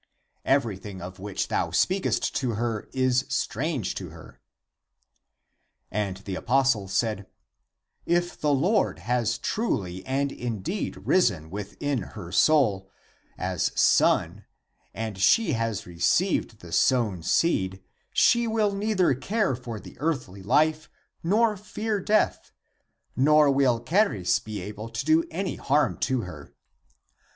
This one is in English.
[Everything of which thou speakest to her is strange to her."] And the apostle said, "If the Lord has truly and in deed risen in her soul (as sun) and she has received the sown seed, she will neither care for the earthly life nor fear death, nor will Charis be able to do any harm to her.